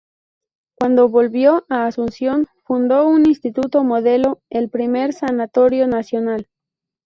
Cuando volvió a Asunción, fundó un Instituto Modelo, el Primer Sanatorio Nacional.